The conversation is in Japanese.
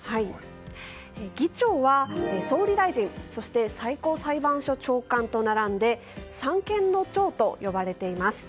議長は、総理大臣そして最高裁判所長官と並んで三権の長と呼ばれています。